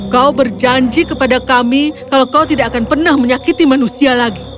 kau berjanji kepada kami kalau kau tidak akan pernah menyakiti manusia lagi